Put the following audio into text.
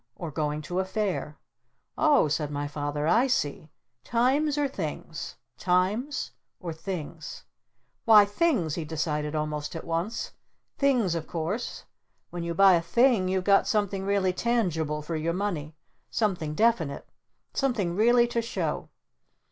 Or going to a Fair?" "Oh," said my Father, "I see! Times or Things? Times or things? Why Things!" he decided almost at once. "Things of course! When you buy a Thing you've got something really tangible for your money! Something definite! Something really to show!